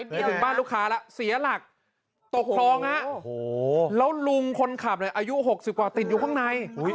ไปถึงบ้านลูกค้าแล้วเสียหลักตกคลองฮะแล้วลุงคนขับอายุ๖๐กว่าติดอยู่ข้างใน